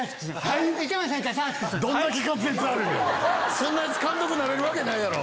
そんなヤツ監督なれるわけない。